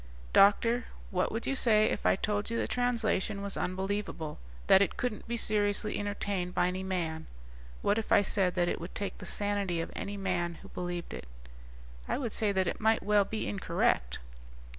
"Doctor, what would you say if I told you the translation was unbelievable; that it couldn't be seriously entertained by any man? What if I said that it would take the sanity of any man who believed it?" "I would say that it might well be incorrect."